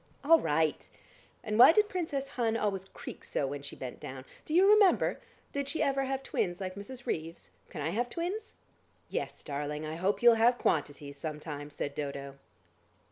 "All right. And why did Princess Hun always creak so when she bent down. Do you remember? Did she ever have twins like Mrs. Reeves? Can I have twins?" "Yes, darling, I hope you'll have quantities some time," said Dodo.